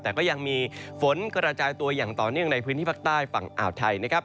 แต่ก็ยังมีฝนกระจายตัวอย่างต่อเนื่องในพื้นที่ภาคใต้ฝั่งอ่าวไทยนะครับ